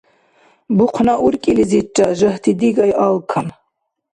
Бухъна уркӀилизирра жагьти дигай алкан.